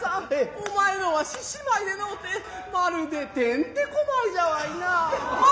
お前のは獅子舞でのうてまるでてんてこ舞じゃわいなァ。